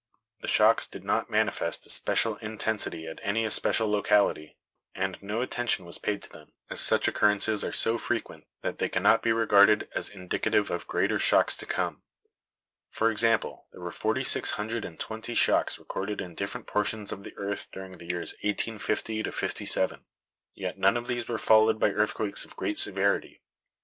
The shocks did not manifest especial intensity at any especial locality, and no attention was paid to them, as such occurrences are so frequent that they cannot be regarded as indicative of greater shocks to come. For example, there were forty six hundred and twenty shocks recorded in different portions of the earth during the years 1850 57; yet none of these were followed by earthquakes of great severity.